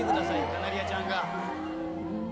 カナリアちゃんが。